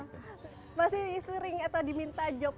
nggak sih mas sebagai komedian